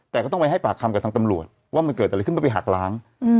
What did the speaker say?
แต่ก็ต้องไปให้ปากคำกับทางตำรวจว่ามันเกิดอะไรขึ้นเพื่อไปหักล้าง